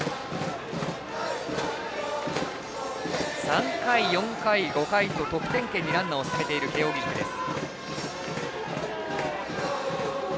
３回、４回、５回と得点圏にランナーを進めている慶応義塾です。